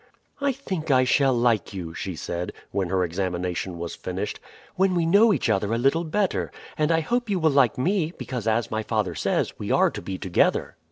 "I think I shall like you," she said when her examination was finished, "when we know each other a little better, and I hope you will like me; because, as my father says, we are to be together."